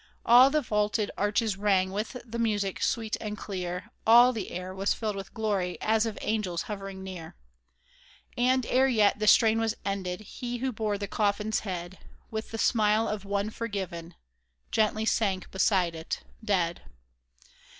All the vaulted arches rang with the music sweet and clear ; All the air was filled with glory, as of angels hovering near ; And ere yet the strain was ended, he who bore the coffin's head, With the smile of one forgiven, gently sank beside it — dead.